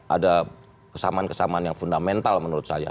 ada kesamaan kesamaan yang fundamental menurut saya